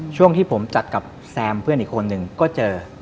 ช่วงที่ผมจัดกับแซมเพื่อนอีกคนนึงก็เจอ